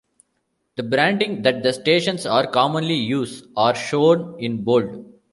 The branding that the stations are commonly use are shown in bold.